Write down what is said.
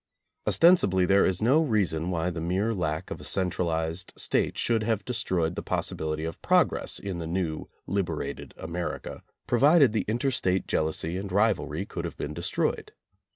Ostensibly there is no reason why the mere lack of a centralized State should have destroyed the possibility of progress in the new liberated America, provided the inter state jealousy and rivalry could have been destroyed.